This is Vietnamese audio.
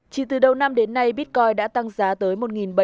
chỉ từ đầu năm đến nay bitcoin đã tăng giá tới một bảy trăm